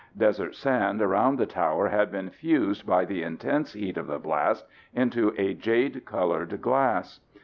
Desert sand around the tower had been fused by the intense heat of the blast into a jade colored glass.